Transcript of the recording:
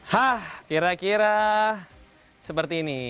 hah kira kira seperti ini